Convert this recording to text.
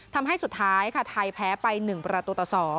ทำให้สุดท้ายค่ะไทยแพ้ไป๑ประตูต่อ๒